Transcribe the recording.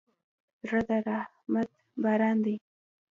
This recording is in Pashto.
زړه د رحمت باران دی.